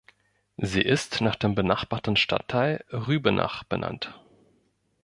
Sie ist nach dem benachbarten Stadtteil Rübenach benannt.